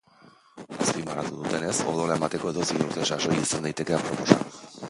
Azpimarratu dutenez, odola emateko edozein urte sasoi izan daiteke aproposa.